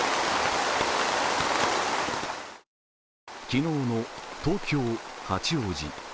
昨日の東京・八王子。